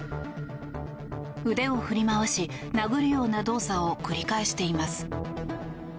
腕を振り回し、殴るような動作を繰り返しています。